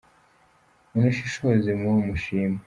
unashishoze mubo mushima